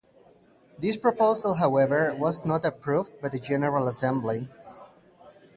This proposal, however, was not approved by the General Assembly.